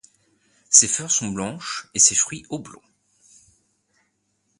Ses fleurs sont blanches et ses fruits oblongs.